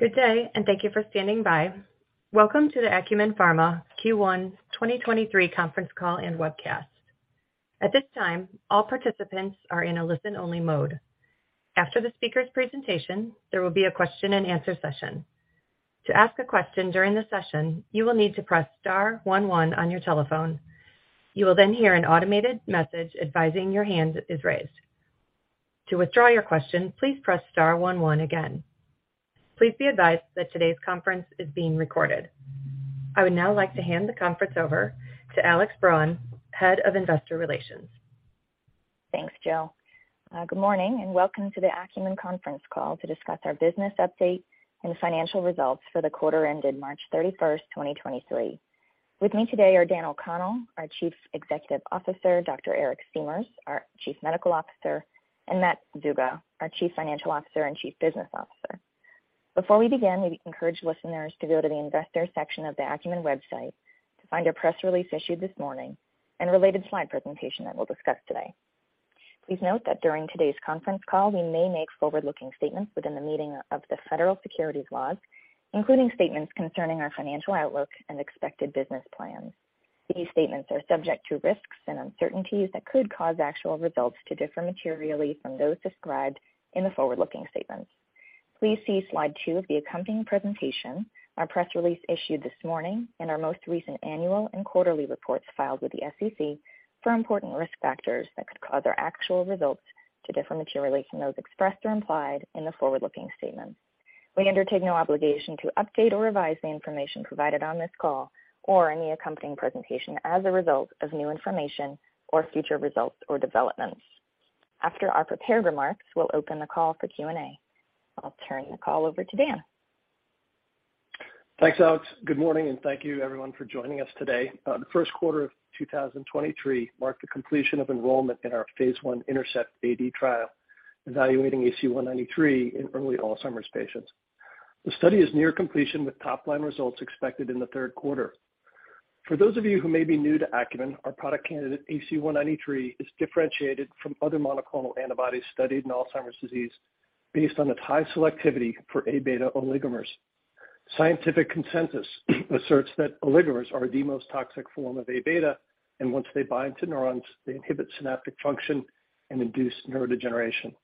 Good day, and thank you for standing by. Welcome to the Acumen Pharma Q1 2023 Conference Call and Webcast. At this time, all participants are in a listen-only mode. After the speaker's presentation, there will be a question-and-answer session. To ask a question during the session, you will need to press star one one on your telephone. You will then hear an automated message advising your hand is raised. To withdraw your question, please press star one one again. Please be advised that today's conference is being recorded. I would now like to hand the conference over to Alex Braun, Head of Investor Relations. Thanks, Jill. Good morning, and welcome to the Acumen Conference Call to discuss our business update and financial results for the quarter ended March 31st, 2023. With me today are Dan O'Connell, our Chief Executive Officer, Dr. Eric Siemers, our Chief Medical Officer, and Matt Zuga, our Chief Financial Officer and Chief Business Officer. Before we begin, we encourage listeners to go to the Investors section of the Acumen website to find our press release issued this morning and a related slide presentation that we'll discuss today. Please note that during today's conference call, we may make forward-looking statements within the meaning of the Federal Securities laws, including statements concerning our financial outlook and expected business plans. These statements are subject to risks and uncertainties that could cause actual results to differ materially from those described in the forward-looking statements. Please see slide two of the accompanying presentation, our press release issued this morning, and our most recent annual and quarterly reports filed with the SEC for important risk factors that could cause our actual results to differ materially from those expressed or implied in the forward-looking statements. We undertake no obligation to update or revise the information provided on this call or any accompanying presentation as a result of new information or future results or developments. After our prepared remarks, we'll open the call for Q&A. I'll turn the call over to Dan. Thanks, Alex. Good morning. Thank you everyone for joining us today. The Q1 of 2023 marked the completion of enrollment in our phase I INTERCEPT-AD trial evaluating ACU193 in early Alzheimer's patients. The study is near completion with top-line results expected in the Q3. For those of you who may be new to Acumen, our product candidate ACU193 is differentiated from other monoclonal antibodies studied in Alzheimer's disease based on its high selectivity for A-beta oligomers. Scientific consensus asserts that oligomers are the most toxic form of A-beta. Once they bind to neurons, they inhibit synaptic function and induce neurodegeneration.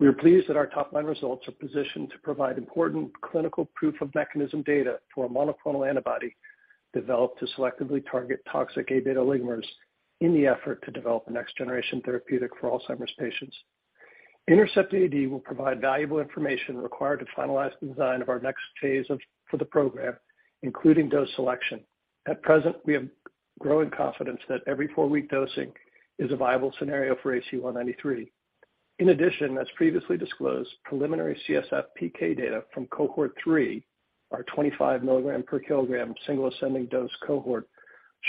We are pleased that our top-line results are positioned to provide important clinical proof of mechanism data to a monoclonal antibody developed to selectively target toxic A-beta oligomers in the effort to develop a next-generation therapeutic for Alzheimer's patients. INTERCEPT-AD will provide valuable information required to finalize the design for the program, including dose selection. At present, we have growing confidence that every four-week dosing is a viable scenario for ACU193. In addition, as previously disclosed, preliminary CSF PK data from cohort three, our 25 mg per kg single ascending dose cohort,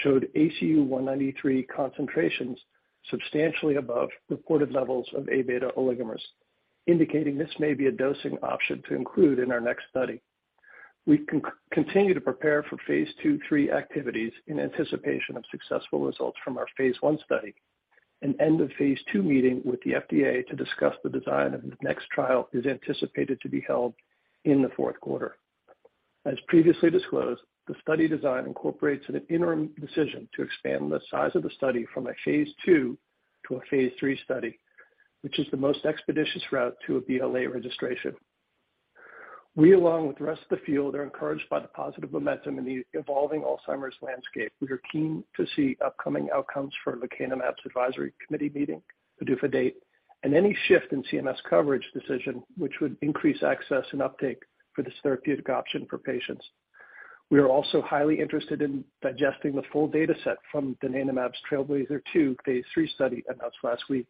showed ACU193 concentrations substantially above reported levels of A-beta oligomers, indicating this may be a dosing option to include in our next study. We continue to prepare for phase II/III activities in anticipation of successful results from our phase I study. An end of phase II meeting with the FDA to discuss the design of the next trial is anticipated to be held in the Q4. As previously disclosed, the study design incorporates an interim decision to expand the size of the study from a phase II to a phase III study, which is the most expeditious route to a BLA registration. We, along with the rest of the field, are encouraged by the positive momentum in the evolving Alzheimer's landscape. We are keen to see upcoming outcomes for lecanemab's advisory committee meeting, PDUFA date, and any shift in CMS coverage decision, which would increase access and uptake for this therapeutic option for patients. We are also highly interested in digesting the full data set from donanemab's TRAILBLAZER-ALZ 2 phase III study announced last week.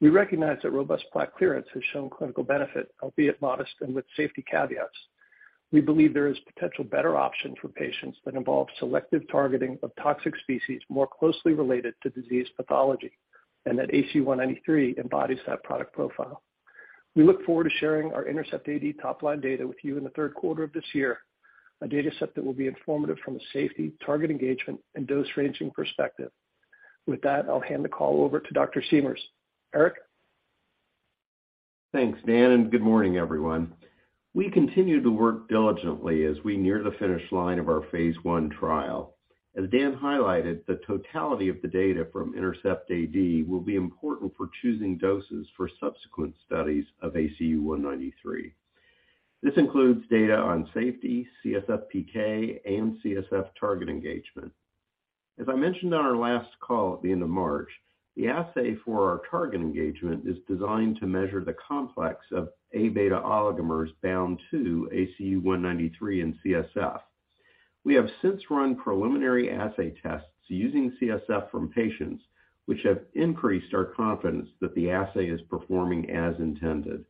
We recognize that robust plaque clearance has shown clinical benefit, albeit modest and with safety caveats. We believe there is potential better options for patients that involve selective targeting of toxic species more closely related to disease pathology, and that ACU193 embodies that product profile. We look forward to sharing our INTERCEPT-AD top-line data with you in the Q3 of this year, a data set that will be informative from a safety, target engagement, and dose ranging perspective. With that, I'll hand the call over to Dr. Siemers. Eric? Thanks, Dan. Good morning, everyone. We continue to work diligently as we near the finish line of our phase I trial. As Dan highlighted, the totality of the data from INTERCEPT-AD will be important for choosing doses for subsequent studies of ACU193. This includes data on safety, CSF PK, and CSF target engagement. As I mentioned on our last call at the end of March, the assay for our target engagement is designed to measure the complex of A-beta oligomers bound to ACU193 in CSF. We have since run preliminary assay tests using CSF from patients, which have increased our confidence that the assay is performing as intended.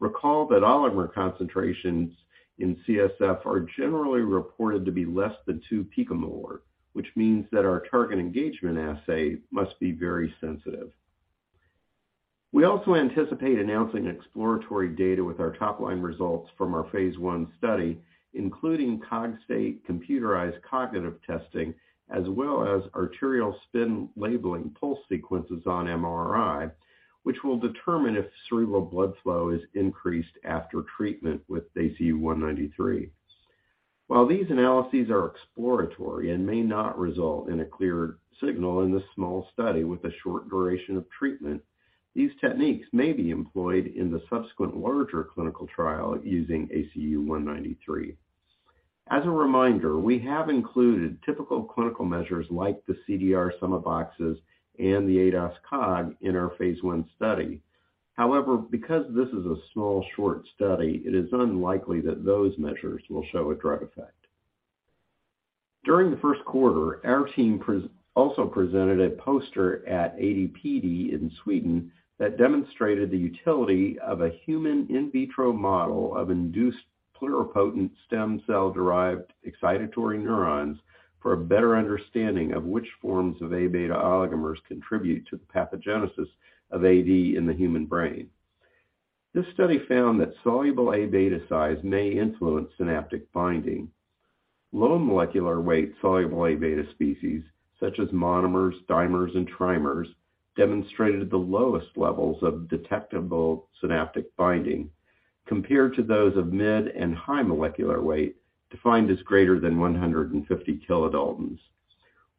Recall that oligomer concentrations in CSF are generally reported to be less than two picomolar, which means that our target engagement assay must be very sensitive. We also anticipate announcing exploratory data with our top-line results from our phase I study, including Cogstate computerized cognitive testing, as well as arterial spin labeling pulse sequences on MRI, which will determine if cerebral blood flow is increased after treatment with ACU193. These analyses are exploratory and may not result in a clear signal in this small study with a short duration of treatment, these techniques may be employed in the subsequent larger clinical trial using ACU193. We have included typical clinical measures like the CDR-SB and the ADAS-Cog in our phase I study. Because this is a small, short study, it is unlikely that those measures will show a drug effect. During the Q1, our team also presented a poster at AD/PD in Sweden that demonstrated the utility of a human in vitro model of induced pluripotent stem cell-derived excitatory neurons for a better understanding of which forms of A-beta oligomers contribute to the pathogenesis of AD in the human brain. This study found that soluble A-beta size may influence synaptic binding. Low molecular weight soluble A-beta species such as monomers, dimers, and trimers demonstrated the lowest levels of detectable synaptic binding compared to those of mid and high molecular weight, defined as greater than 150 kDa.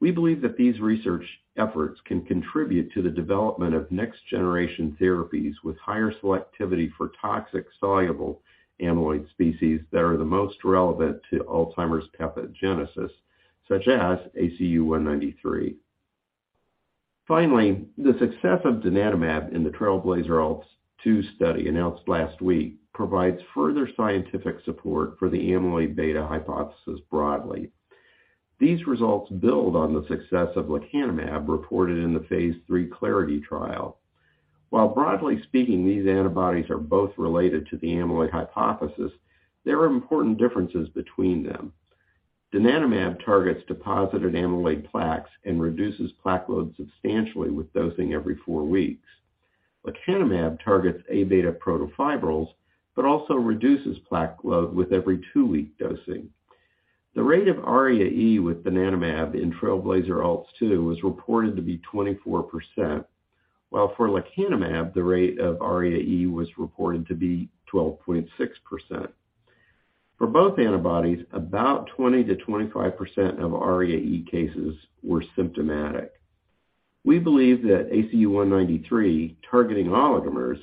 We believe that these research efforts can contribute to the development of next-generation therapies with higher selectivity for toxic soluble amyloid species that are the most relevant to Alzheimer's pathogenesis, such as ACU193. The success of donanemab in the TRAILBLAZER-ALZ 2 study announced last week provides further scientific support for the amyloid-beta hypothesis broadly. These results build on the success of lecanemab reported in the phase III Clarity AD trial. Broadly speaking, these antibodies are both related to the amyloid hypothesis, there are important differences between them. Donanemab targets deposited amyloid plaques and reduces plaque load substantially with dosing every four weeks. Lecanemab targets A-beta protofibrils, but also reduces plaque load with every two-week dosing. The rate of ARIA-E with donanemab in TRAILBLAZER-ALZ 2 was reported to be 24%, while for lecanemab, the rate of ARIA-E was reported to be 12.6%. For both antibodies, about 20% to 25% of ARIA-E cases were symptomatic. We believe that ACU193 targeting oligomers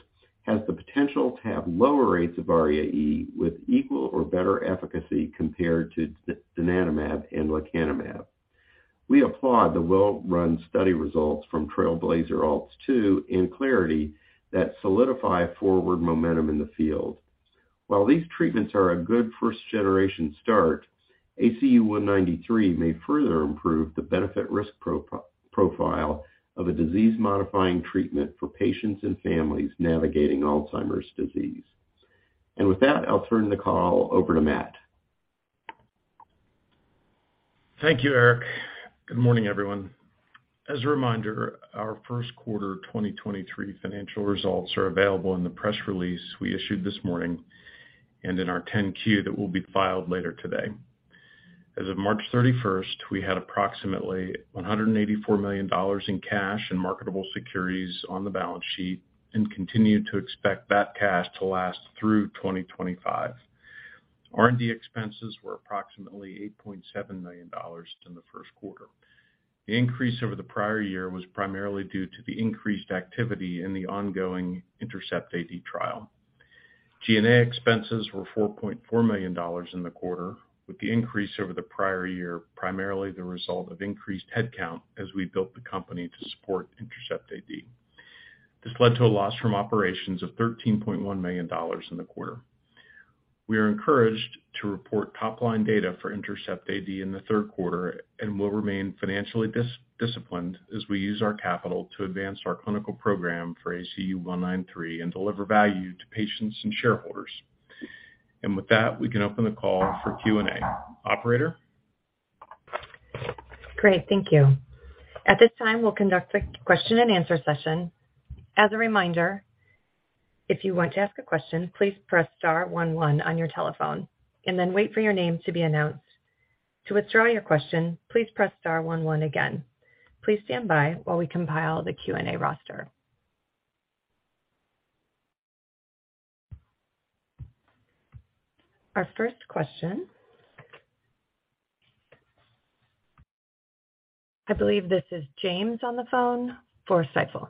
has the potential to have lower rates of ARIA-E with equal or better efficacy compared to donanemab and lecanemab. We applaud the well-run study results from TRAILBLAZER-ALZ 2 and Clarity that solidify forward momentum in the field. While these treatments are a good first-generation start, ACU193 may further improve the benefit-risk profile of a disease-modifying treatment for patients and families navigating Alzheimer's disease. With that, I'll turn the call over to Matt. Thank you, Eric. Good morning, everyone. As a reminder, our Q1 2023 financial results are available in the press release we issued this morning and in our ten Q that will be filed later today. As of March 31st, we had approximately $184 million in cash and marketable securities on the balance sheet and continue to expect that cash to last through 2025. R&D expenses were approximately $8.7 million in the Q1. The increase over the prior year was primarily due to the increased activity in the ongoing INTERCEPT-AD trial. G&A expenses were $4.4 million in the quarter, with the increase over the prior year primarily the result of increased headcount as we built the company to support INTERCEPT-AD. This led to a loss from operations of $13.1 million in the quarter. We are encouraged to report top-line data for INTERCEPT-AD in the Q3 and will remain financially disciplined as we use our capital to advance our clinical program for ACU193 and deliver value to patients and shareholders. With that, we can open the call for Q&A. Operator? Great. Thank you. At this time, we'll conduct a question-and-answer session. As a reminder, if you want to ask a question, please press star one one on your telephone and then wait for your name to be announced. To withdraw your question, please press star one one again. Please stand by while we compile the Q&A roster. Our first question. I believe this is James on the phone for Stifel.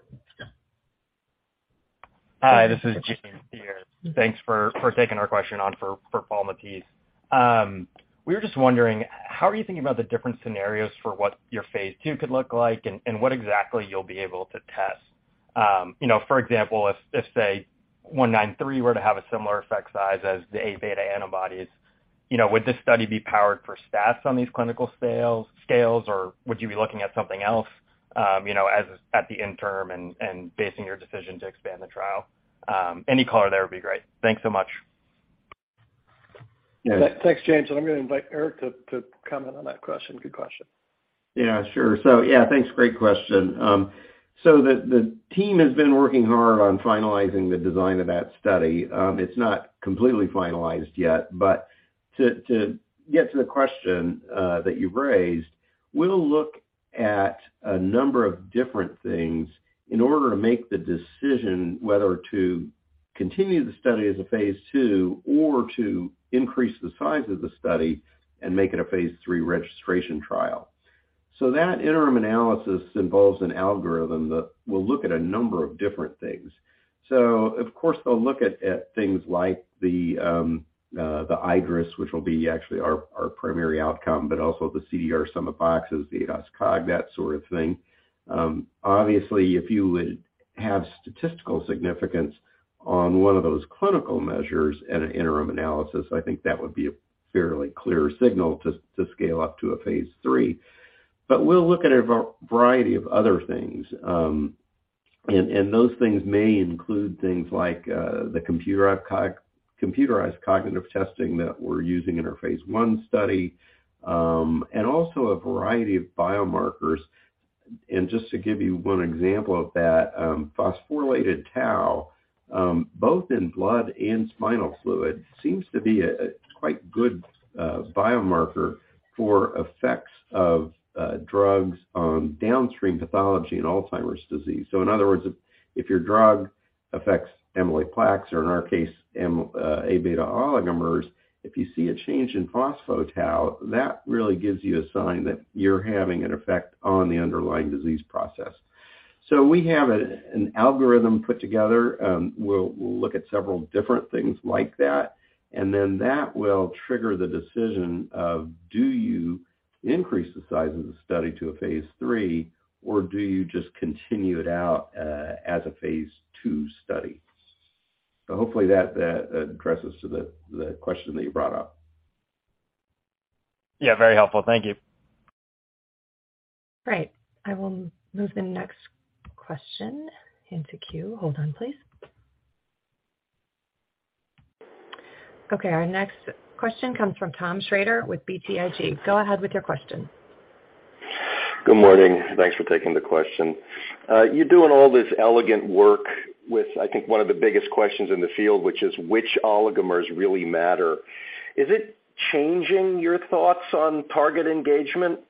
Hi, this is James here. Thanks for taking our question on for Paul Matteis. We were just wondering, how are you thinking about the different scenarios for what your phase II could look like and what exactly you'll be able to test? You know, for example, if, say, 193 were to have a similar effect size as the A-beta antibodies, you know, would this study be powered for stats on these clinical scales, or would you be looking at something else, you know, as at the interim and basing your decision to expand the trial? Any color there would be great. Thanks so much. Yeah. Thanks, James. I'm gonna invite Eric to comment on that question. Good question. Yeah, sure. Yeah, thanks. Great question. The team has been working hard on finalizing the design of that study. It's not completely finalized yet, but to get to the question that you've raised, we'll look at a number of different things in order to make the decision whether to continue the study as a phase II or to increase the size of the study and make it a phase III registration trial. That interim analysis involves an algorithm that will look at a number of different things. Of course, they'll look at things like the iADRS, which will be actually our primary outcome, but also the CDR-SB, the ADAS-Cog, that sort of thing. Obviously, if you would have statistical significance on one of those clinical measures at an interim analysis, I think that would be a fairly clear signal to scale up to a phase III. we'll look at a variety of other things, and those things may include things like the computerized cognitive testing that we're using in our phase I study, and also a variety of biomarkers. Just to give you one example of that, phosphorylated tau, both in blood and spinal fluid, seems to be a quite good biomarker for effects of drugs on downstream pathology in Alzheimer's disease. In other words, if your drug affects amyloid plaques, or in our case A-beta oligomers, if you see a change in phospho-tau, that really gives you a sign that you're having an effect on the underlying disease process. We have an algorithm put together, we'll look at several different things like that, and then that will trigger the decision of do you increase the size of the study to a phase III, or do you just continue it out as a phase II study. Hopefully that addresses to the question that you brought up. Yeah, very helpful. Thank you. Great. I will move the next question into queue. Hold on, please. Okay, our next question comes from Tom Shrader with BTIG. Go ahead with your question. Good morning. Thanks for taking the question. You're doing all this elegant work with, I think, one of the biggest questions in the field, which is which oligomers really matter. Is it changing your thoughts on target engagement?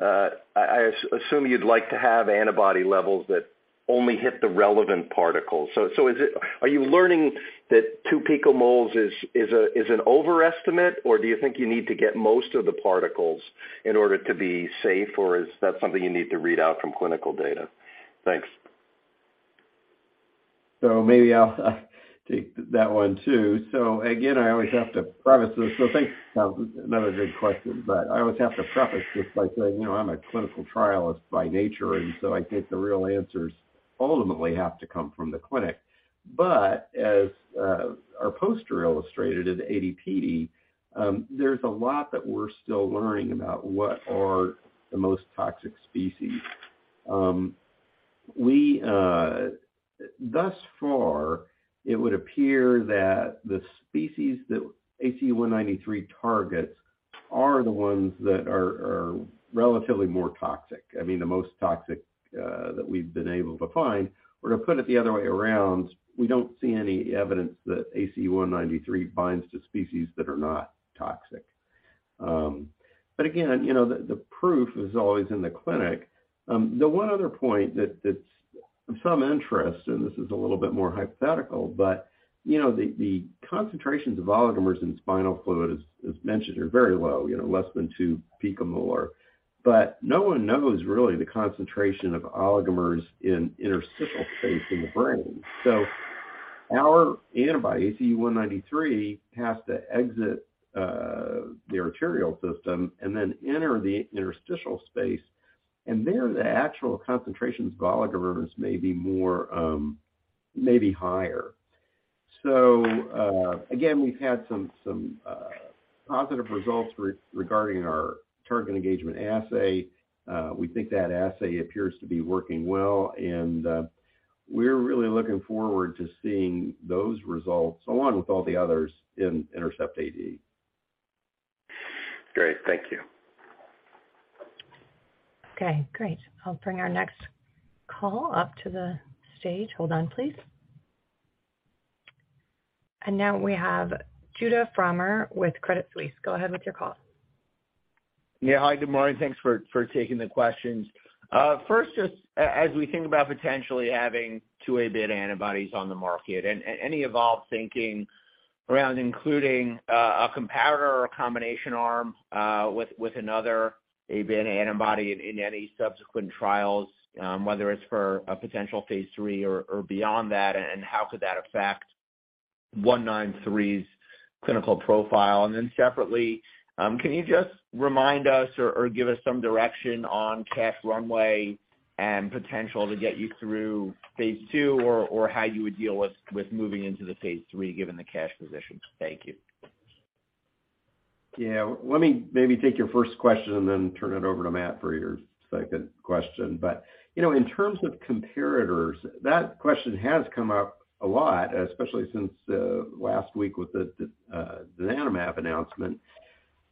I assume you'd like to have antibody levels that only hit the relevant particles. Are you learning that two picomoles is an overestimate, or do you think you need to get most of the particles in order to be safe, or is that something you need to read out from clinical data? Thanks. Maybe I'll take that one, too. Again, I always have to preface this. Thanks, Tom. Another great question, but I always have to preface this by saying, you know, I'm a clinical trialist by nature, and so I think the real answers ultimately have to come from the clinic. As our poster illustrated at AD/PD, there's a lot that we're still learning about what are the most toxic species. We. Thus far, it would appear that the species that ACU193 targets are the ones that are relatively more toxic. I mean, the most toxic that we've been able to find. To put it the other way around, we don't see any evidence that ACU193 binds to species that are not toxic. Again, you know, the proof is always in the clinic. The one other point that's of some interest, and this is a little bit more hypothetical, but you know, the concentrations of oligomers in spinal fluid, as mentioned, are very low, you know, less than two picomolar. No one knows really the concentration of oligomers in interstitial space in the brain. Our antibody, ACU193, has to exit the arterial system and then enter the interstitial space, and there, the actual concentrations of oligomers may be more, may be higher. Again, we've had some positive results regarding our target engagement assay. We think that assay appears to be working well, and we're really looking forward to seeing those results, along with all the others in INTERCEPT-AD. Great. Thank you. Okay, great. I'll bring our next call up to the stage. Hold on, please. Now we have Judah Frommer with Credit Suisse. Go ahead with your call. Yeah. Hi, good morning. Thanks for taking the questions. First, just as we think about potentially having two A-beta antibodies on the market and any evolved thinking around including a comparator or a combination arm with another A-beta antibody in any subsequent trials, whether it's for a potential phase III or beyond that, and how could that affect ACU193's clinical profile? And then separately, can you just remind us or give some direction on cash runway and potential to get you through phase II, or how you would deal with moving into the phase III given the cash position? Thank you. Yeah. Let me maybe take your first question and then turn it over to Matt for your second question. You know, in terms of comparators, that question has come up a lot, especially since last week with the donanemab announcement.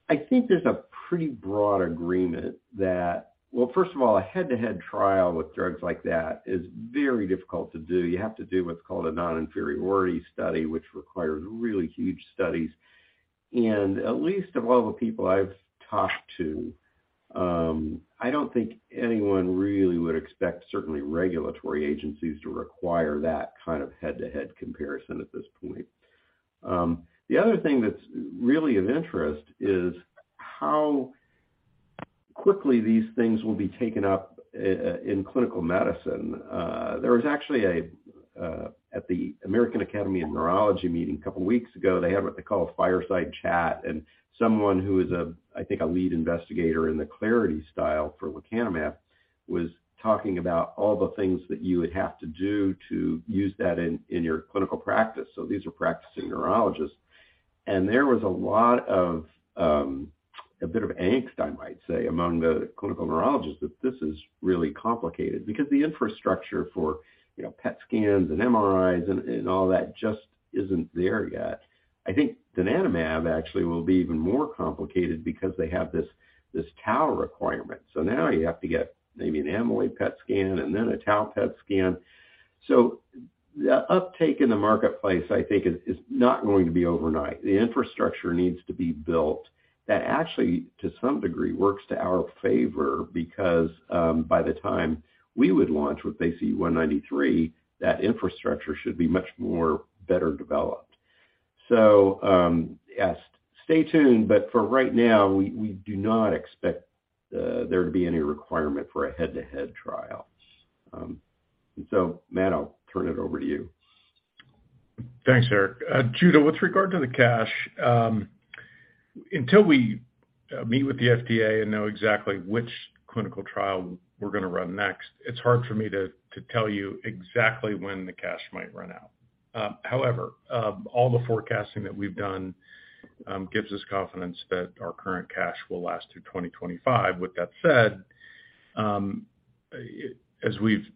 I think there's a pretty broad agreement that, Well, first of all, a head-to-head trial with drugs like that is very difficult to do. You have to do what's called a non-inferiority study, which requires really huge studies. At least of all the people I've talked to, I don't think anyone really would expect certainly regulatory agencies to require that kind of head-to-head comparison at this point. The other thing that's really of interest is how quickly these things will be taken up in clinical medicine. There was actually a at the American Academy of Neurology meeting a couple weeks ago, they had what they call a fireside chat. Someone who is a, I think, a lead investigator in the clarity style for lecanemab was talking about all the things that you would have to do to use that in your clinical practice. These are practicing neurologists. There was a lot of a bit of angst, I might say, among the clinical neurologists that this is really complicated because the infrastructure for, you know, PET scans and MRIs and all that just isn't there yet. I think donanemab actually will be even more complicated because they have this tau requirement. Now you have to get maybe an amyloid PET scan and then a tau PET scan. The uptake in the marketplace, I think, is not going to be overnight. The infrastructure needs to be built. That actually, to some degree, works to our favor because, by the time we would launch with ACU193, that infrastructure should be much more better developed. Yes, stay tuned, but for right now, we do not expect there to be any requirement for a head-to-head trial. Matt, I'll turn it over to you. Thanks, Eric. Judah, with regard to the cash, until we meet with the FDA and know exactly which clinical trial we're gonna run next, it's hard for me to tell you exactly when the cash might run out. However, all the forecasting that we've done, gives us confidence that our current cash will last through 2025. With that said, as we've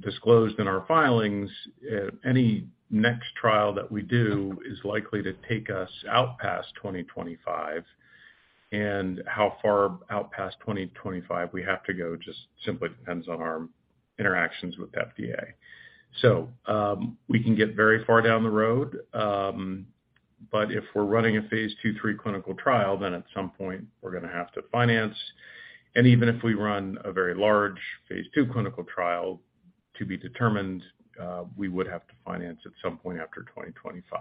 disclosed in our filings, any next trial that we do is likely to take us out past 2025, and how far out past 2025 we have to go just simply depends on our interactions with the FDA. We can get very far down the road, but if we're running a phase II/III clinical trial, then at some point we're gonna have to finance. Even if we run a very large phase II clinical trial to be determined, we would have to finance at some point after 2025.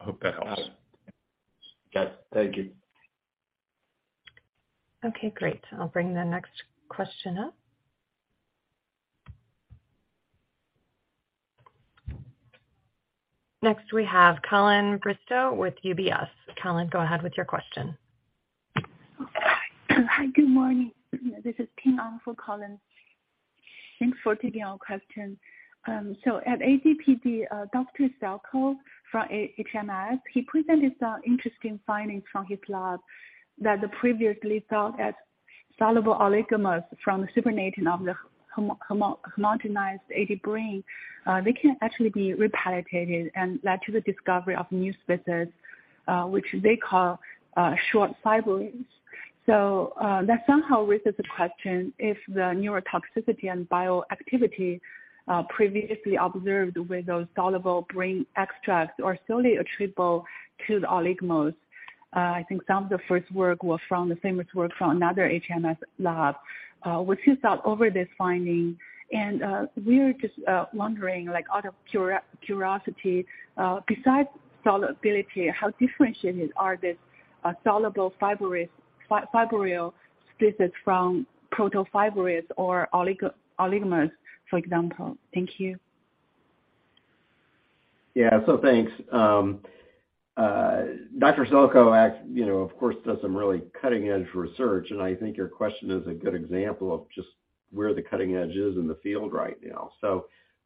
I hope that helps. Got it. Yes. Thank you. Okay, great. I'll bring the next question up. Next, we have Colin Bristow with UBS. Colin, go ahead with your question. Hi, good morning. This is Ping on for Colin. Thanks for taking our question. At AD/PD, Dr. Selkoe from HMS, he presented some interesting findings from his lab that the previously thought as soluble oligomers from the supernatant of the homogenized AD brain, they can actually be repalletated and led to the discovery of new species, which they call short fibrils. That somehow raises the question if the neurotoxicity and bioactivity previously observed with those soluble brain extracts are solely attributable to the oligomers. I think some of the first work was from the famous work from another HMS lab. What's your thought over this finding? We're just wondering, like out of curiosity, besides solubility, how differentiated are these soluble fibril species from protofibrils or oligomers, for example? Thank you. Yeah. Thanks. Dr. Selkoe, you know, of course, does some really cutting-edge research, and I think your question is a good example of just where the cutting edge is in the field right now.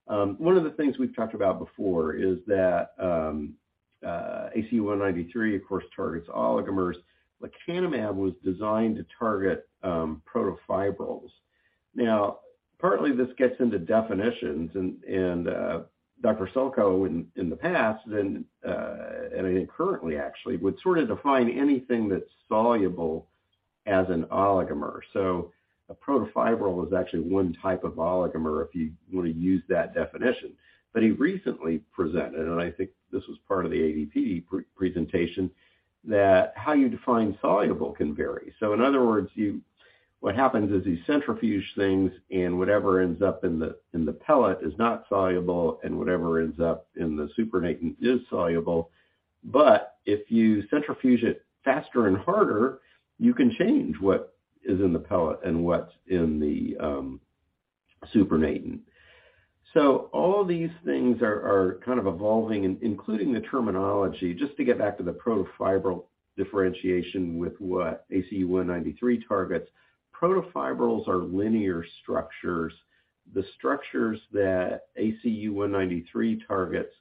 One of the things we've talked about before is that ACU193, of course, targets oligomers. Lecanemab was designed to target protofibrils. Partly this gets into definitions and Dr. Selkoe in the past and I think currently actually would sort of define anything that's soluble as an oligomer. A protofibril is actually one type of oligomer if you wanna use that definition. He recently presented, and I think this was part of the AD/PD presentation, that how you define soluble can vary. In other words, what happens is you centrifuge things and whatever ends up in the, in the pellet is not soluble, and whatever ends up in the supernatant is soluble. If you centrifuge it faster and harder, you can change what is in the pellet and what's in the supernatant. All these things are kind of evolving including the terminology. Just to get back to the protofibril differentiation with what ACU193 targets. Protofibrils are linear structures. The structures that ACU193 targets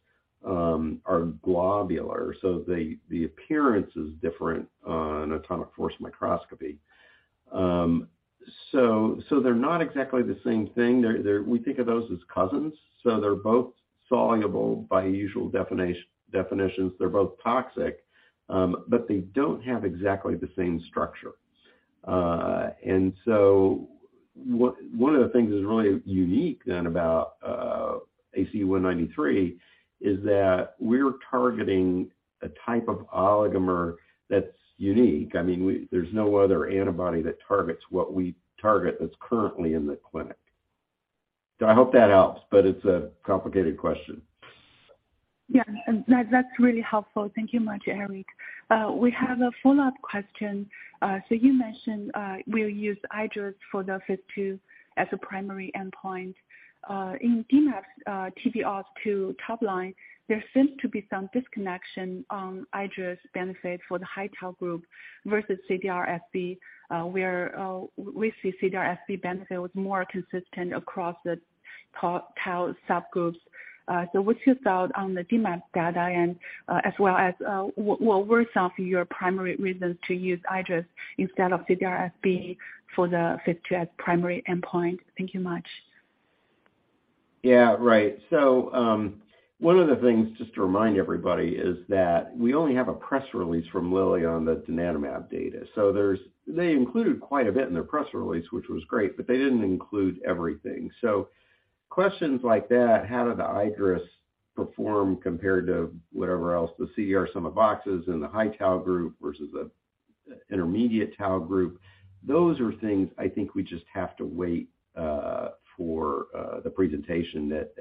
are globular, so the appearance is different on atomic force microscopy. They're not exactly the same thing. We think of those as cousins. They're both soluble by usual definitions. They're both toxic, but they don't have exactly the same structure. One of the things that's really unique then about ACU193 is that we're targeting a type of oligomer that's unique. I mean, we there's no other antibody that targets what we target that's currently in the clinic. I hope that helps, but it's a complicated question. Yeah. That's really helpful. Thank you much, Eric. We have a follow-up question. You mentioned, we'll use iADRS for the phase II as a primary endpoint. In donanemab's TRAILBLAZER-ALZ 2 top line, there seems to be some disconnection on iADRS benefit for the high tau group versus CDR-SB, where we see CDR-SB benefit was more consistent across the tau subgroups. What's your thought on the dMAB data and, as well as, what were some of your primary reasons to use iADRS instead of CDR-SB for the phase II as primary endpoint? Thank you much. Right. One of the things, just to remind everybody, is that we only have a press release from Lilly on the donanemab data. They included quite a bit in their press release, which was great, but they didn't include everything. Questions like that, how did the iADRS perform compared to whatever else, the CR sum of boxes in the high tau group versus the intermediate tau group, those are things I think we just have to wait for the presentation at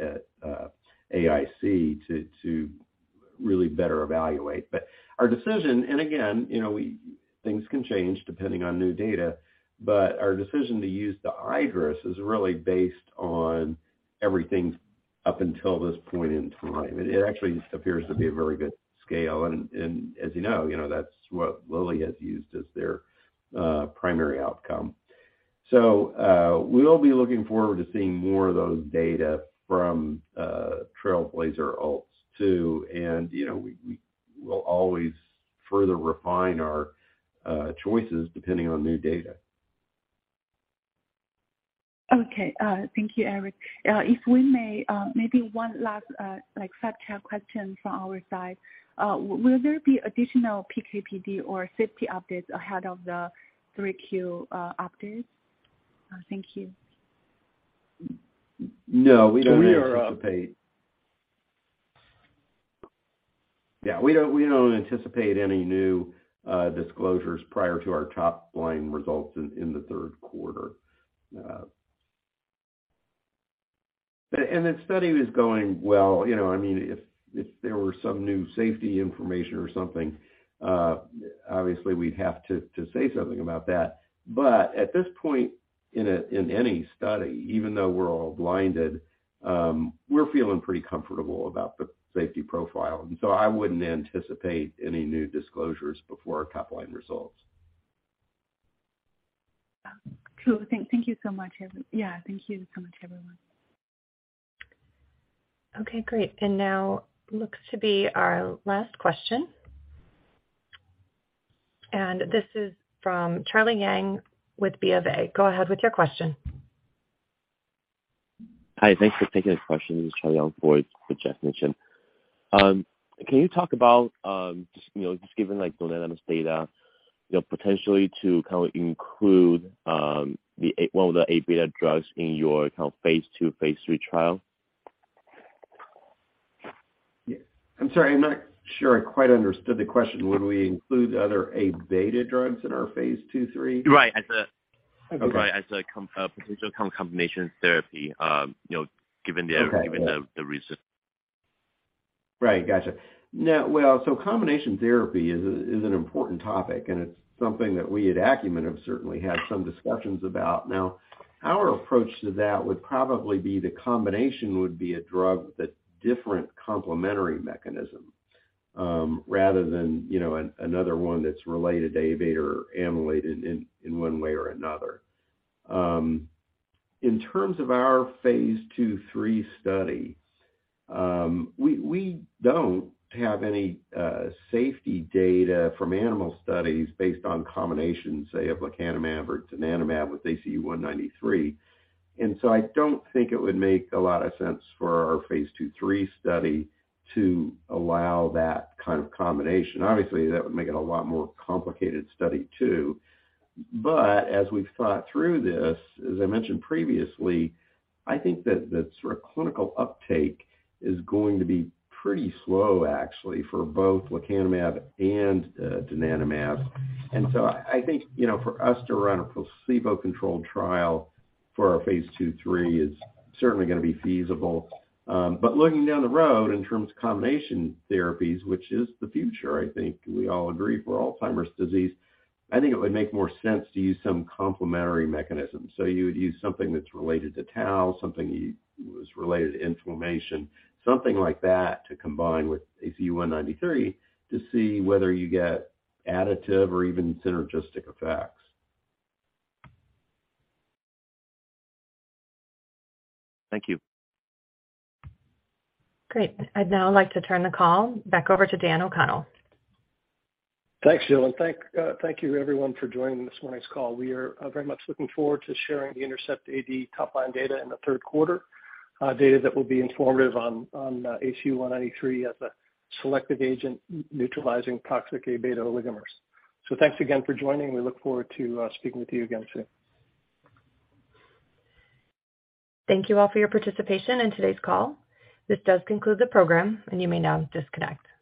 AAIC to really better evaluate. Our decision, and again, you know, things can change depending on new data, but our decision to use the iADRS is really based on everything up until this point in time. It actually appears to be a very good scale. As you know that's what Lilly has used as their primary outcome. We'll be looking forward to seeing more of those data from TRAILBLAZER-ALZ 2. You know, we will always further refine our choices depending on new data. Okay. Thank you, Eric. If we may, maybe one last, like, fact check question from our side. Will there be additional PK/PD or safety updates ahead of the 3Q updates? Thank you. No, we don't anticipate. Yeah, we don't, we don't anticipate any new disclosures prior to our top line results in the Q3. The study is going well. You know, I mean, if there were some new safety information or something, obviously we'd have to say something about that. At this point in any study, even though we're all blinded, we're feeling pretty comfortable about the safety profile. I wouldn't anticipate any new disclosures before our top line results. Cool. Thank you so much. Yeah, thank you so much, everyone. Okay, great. Now looks to be our last question. This is from Charlie Yang with BofA. Go ahead with your question. Hi, thanks for taking this question. This is Charlie Yang for Geoff Meacham. Can you talk about, just, you know, just given, like, donanemab data, you know, potentially to kind of include one of the A-beta drugs in your kind of phase II, phase III trial? Yeah. I'm sorry, I'm not sure I quite understood the question. Would we include other A-beta drugs in our phase II/III? Right. Okay. Right. As a potential combination therapy, you know. Okay. Yeah. Given the recent. Right. Gotcha. Combination therapy is an important topic, and it's something that we at Acumen have certainly had some discussions about. Our approach to that would probably be the combination would be a drug with a different complementary mechanism, rather than, you know, another one that's related to A-beta or amyloid in one way or another. In terms of our phase II/III study, we don't have any safety data from animal studies based on combinations, say, of lecanemab or donanemab with ACU193. I don't think it would make a lot of sense for our phase II/III study to allow that kind of combination. Obviously, that would make it a lot more complicated study, too. As we've thought through this, as I mentioned previously, I think that the sort of clinical uptake is going to be pretty slow actually, for both lecanemab and donanemab. I think, you know, for us to run a placebo-controlled trial for our phase II/III is certainly gonna be feasible. Looking down the road in terms of combination therapies, which is the future, I think we all agree for Alzheimer's disease, I think it would make more sense to use some complementary mechanisms. You would use something that's related to tau, something was related to inflammation, something like that, to combine with ACU193 to see whether you get additive or even synergistic effects. Thank you. Great. I'd now like to turn the call back over to Dan O'Connell. Thanks, Jill. Thank you everyone for joining this morning's call. We are very much looking forward to sharing the INTERCEPT-AD top line data in the Q3, data that will be informative on ACU193 as a selective agent neutralizing toxic A-beta oligomers. Thanks again for joining. We look forward to speaking with you again soon. Thank you all for your participation in today's call. This does conclude the program, and you may now disconnect.